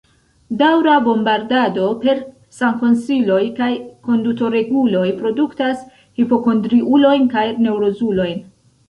Daŭra bombardado per sankonsiloj kaj kondutoreguloj produktas hipokondriulojn kaj neŭrozulojn.